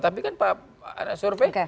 tapi kan pak survei